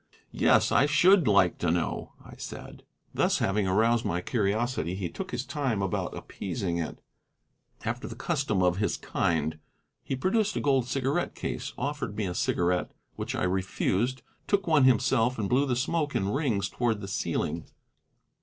"Yes, I should like to know," I said. Thus having aroused my curiosity, he took his time about appeasing it, after the custom of his kind. He produced a gold cigarette case, offered me a cigarette, which I refused, took one himself and blew the smoke in rings toward the ceiling.